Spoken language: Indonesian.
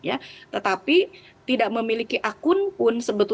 umtmp sudah mengungsikkan kan msa